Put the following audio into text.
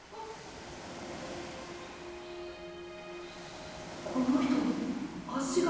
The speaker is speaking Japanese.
心の声この人足が。